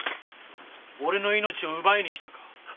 俺の命を奪いに来たのか？